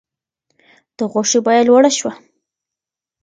د غوښې بیه لوړه شوه.